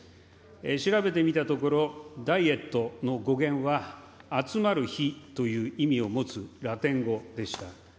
調べてみたところ、Ｄｉｅｔの語源は、集まる日という意味を持つラテン語でした。